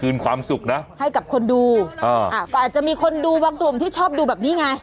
ความสุขนะให้กับคนดูอ่าอ่าก็อาจจะมีคนดูบางกลุ่มที่ชอบดูแบบนี้ไง